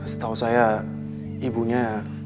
setahu saya ibunya